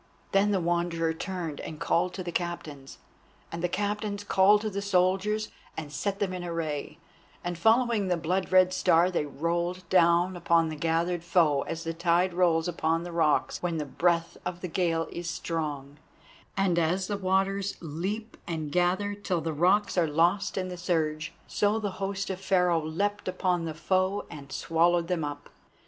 Then the Wanderer turned and called to the Captains, and the Captains called to the soldiers and set them in array, and following the blood red Star they rolled down upon the gathered foe as the tide rolls upon the rocks when the breath of the gale is strong; and as the waters leap and gather till the rocks are lost in the surge, so the host of Pharaoh leapt upon the foe and swallowed them up.